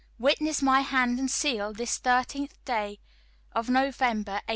"Witness my hand and seal, this 13th day of November, 1855.